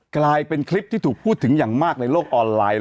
กลายเป็นคลิปที่ถูกพูดถึงอย่างมากในโลกออนไลน์